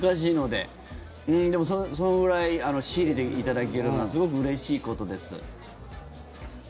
でも、そのぐらい仕入れていただけるのはすごくうれしいことです。